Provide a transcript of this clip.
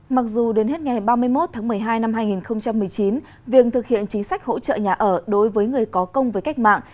mặc dù đến hết ngày ba mươi một tháng một mươi hai năm hai nghìn một mươi chín việc thực hiện chính sách hỗ trợ nhà ở đối với người có công với cách mạng